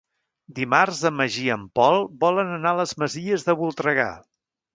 Dimarts en Magí i en Pol volen anar a les Masies de Voltregà.